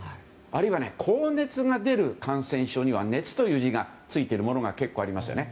あるいは、高熱が出る感染症には「熱」という字がついているものが結構ありますよね。